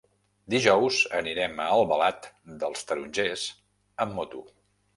Dijous anirem a Albalat dels Tarongers amb moto.